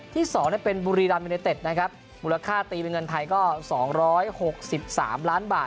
ที่สองเนี่ยเป็นบุรีรัมย์ยูนิเต็ดนะครับมูลค่าตีเป็นเงินไทยก็สองร้อยหกสิบสามล้านบาท